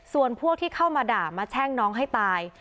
ส่วนพวกที่เข้ามาด่ามาแช่งน้องให้ตาย